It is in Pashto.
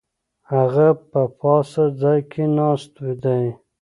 هغه په پاسته ځای کې ناست دی.